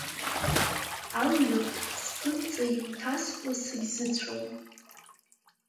Алҩақ сԥынҵа имҭаскәа сагьзыцәом.